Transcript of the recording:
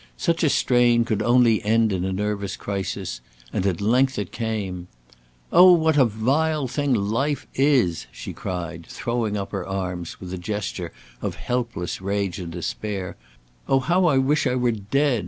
Such a strain could only end in a nervous crisis, and at length it came: "Oh, what a vile thing life is!" she cried, throwing up her arms with a gesture of helpless rage and despair. "Oh, how I wish I were dead!